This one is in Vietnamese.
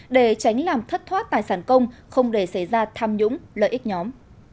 để tránh làm thất thoát tài sản công không để xảy ra tham nhũng lợi ích nhóm